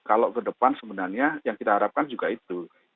kalau ke depan sebenarnya yang kita harapkan juga itu